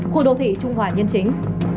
khu đô thị trung hòa nhân chính